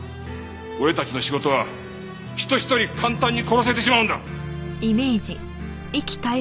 俺たちの仕事は人一人簡単に殺せてしまうんだ！